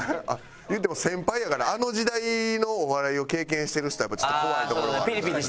いうても先輩やからあの時代のお笑いを経験してる人はやっぱちょっと怖いところは。